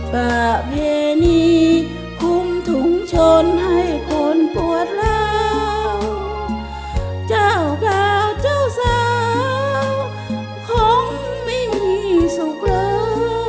ป่าเพนี่คุ้มถุงชนให้คนปวดเหล้าเจ้าบ่าวเจ้าสาวคงไม่มีสุขเลย